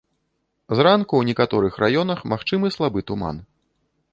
Зранку ў некаторых раёнах магчымы слабы туман.